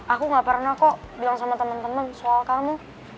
aku gak pernah kok bilang sama teman teman soal kamu